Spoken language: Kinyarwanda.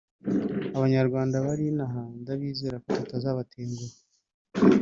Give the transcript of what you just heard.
abanyarwanda bari inaha ndabizea ko tutazabatenguha